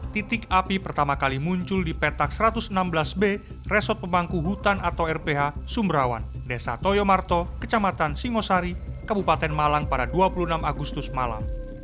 titik api pertama kali muncul di petak satu ratus enam belas b resort pemangku hutan atau rph sumberawan desa toyomarto kecamatan singosari kabupaten malang pada dua puluh enam agustus malam